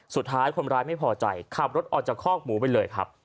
สุดท้ายคนร้ายไม่พอใจขับรถออกจากคอกหมูไปเลยครับ